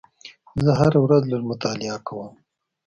زه هره ورځ لږ مطالعه کوم.